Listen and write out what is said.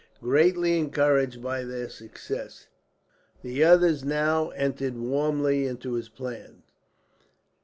Greatly encouraged by this success, the others now entered warmly into his plans.